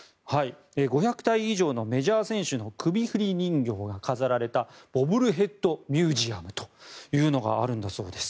５００体以上のメジャー選手の首振り人形が飾られたボブルヘッド・ミュージアムというのがあるんだそうです。